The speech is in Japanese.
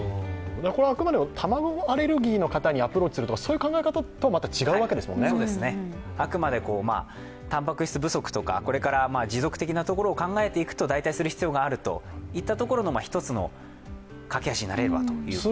これはあくまでも卵アレルギーの方にアプローチするとか、そういう考え方とはあくまでたんぱく質不足とか、これから持続的なところを考えていくと代替する必要があるといったところの１つの懸け橋になれればというところです。